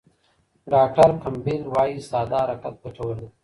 ډاکټر کمپبل وايي ساده حرکت ګټور دی.